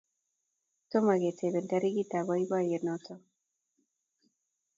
Tomo keteben tarikitab boiboiyet noto